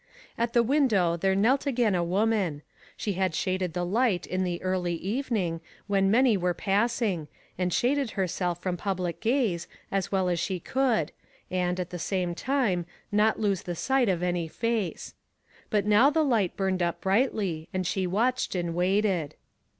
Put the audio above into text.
At the window there knelt again a woman. She had shaded the light in the early evening, when many were passing, and shaded herself from public gaze, as well as she could, and, at the same time, not lose the sight of any face. But now the light burned up brightly, and she watched and waited.